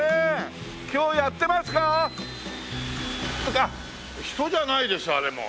あっ人じゃないですあれもう。